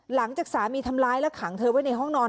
หลังจากสามีทำร้ายแล้วขังเธอไว้ในห้องนอน